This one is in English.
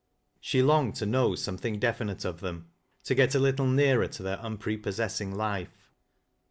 She longed to know something definite of them — to get a little nearer to their unprepossessing life.